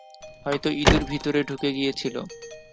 হয়তো ইদুর ভেতরে ঢুকে গিয়েছিল।